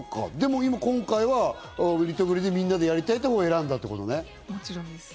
今回はリトグリでみんなでやるほうを選んだっていうことね。